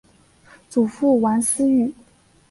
祖父王思与。